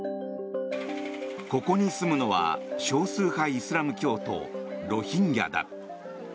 ここに住むのは少数派イスラム教徒ロヒンギャだ。